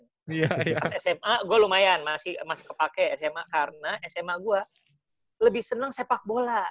pas sma gue lumayan masih kepake sma karena sma gue lebih senang sepak bola